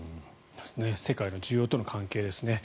世界の需要との関係ですね。